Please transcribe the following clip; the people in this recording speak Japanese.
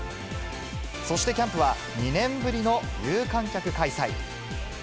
そしてキャンプは２年ぶりの有観客開催。